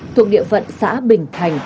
thuộc địa vận xã bình thành